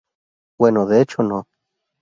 Bueno, de hecho, no.